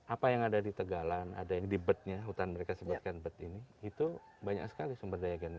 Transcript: apa yang ada di tegalan ada yang di betnya hutan mereka sebutkan bet ini itu banyaknya yang terjadi di tegalan ini